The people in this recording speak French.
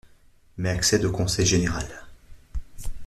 Mais accède au conseil général.